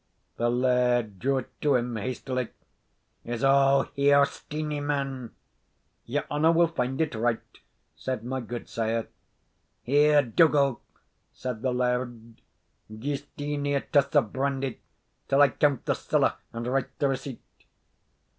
The laird drew it to him hastily. "Is all here, Steenie, man?" "Your honour will find it right," said my gudesire. "Here, Dougal," said the laird, "gie Steenie a tass of brandy, till I count the siller and write the receipt."